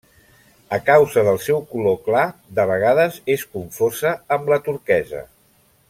A causa del seu color clar, de vegades és confosa amb la turquesa.